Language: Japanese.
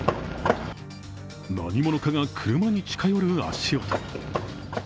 何者かが車に近寄る足音。